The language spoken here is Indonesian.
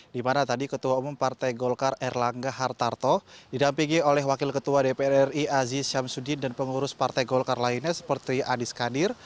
di mana tadi ketua umum partai golkar erlangga hartarto didampingi oleh wakil ketua dpr ri aziz syamsuddin dan pengurus partai golkar lainnya seperti adi skadir